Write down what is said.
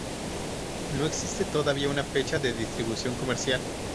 No existe todavía una fecha de distribución comercial.